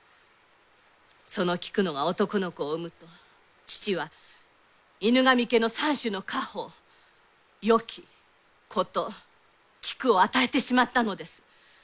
その菊乃が男の子を生むと父は犬神家の三種の家宝斧琴菊を与えてしまったのです。